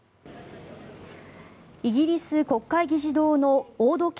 イギリス国会議事堂の大時計